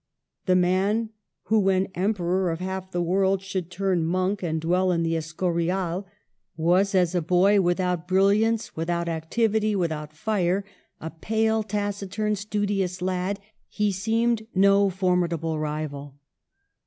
The man who, when Emperor of half the world, should turn monk and dwell in the Escurial, was 40 MARGARET OF AA'GOUL^ME. as a boy without brilliance, without activity, without fire; a pale, taciturn, studious lad, he seemed no formidable rival.